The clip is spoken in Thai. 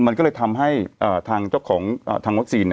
มันก็เลยทำให้ทางเจ้าของทางวัคซีน